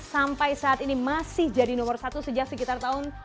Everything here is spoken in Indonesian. sampai saat ini masih jadi nomor satu sejak sekitar tahun dua ribu empat belas